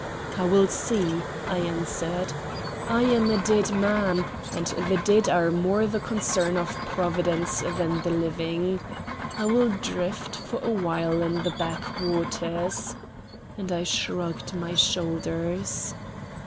"I will see," I answered. "I am a dead man, and the dead are more the concern of Providence than the living. I will drift for a while in the back waters," and I shrugged my shoulders.